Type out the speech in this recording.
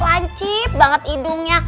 lancip banget hidungnya